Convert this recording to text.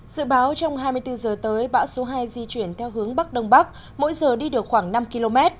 dự báo trong hai mươi bốn h tới bão số hai di chuyển theo hướng bắc đông bắc mỗi giờ đi được khoảng năm km